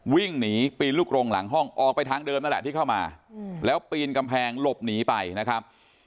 วิ่งหนีปีนลูกโรงหลังห้องออกไปทางเดิมนั่นแหละที่เข้ามาแล้วปีนกำแพงหลบหนีไปนะครับ